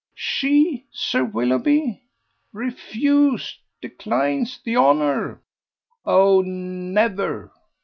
"She? Sir Willoughby?" "Refused! declines the honour." "Oh, never!